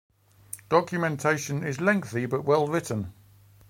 Documentation is lengthy but well written.